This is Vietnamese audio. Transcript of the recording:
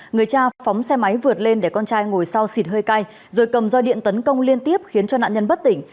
người cha phóng xe máy vượt lên để con trai ngồi sau xịt hơi cay rồi cầm roi điện tấn công liên tiếp khiến cho nạn nhân bất tỉnh